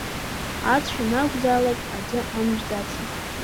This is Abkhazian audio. Ацә ианакәзаалак аӡы амжәӡацызт.